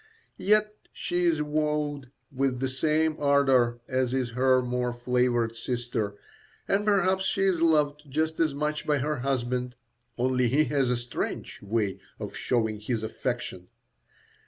Yet she is wooed with the same ardour as is her more favoured sister, and perhaps she is loved just as much by her husband, only he has a strange way of showing his affection.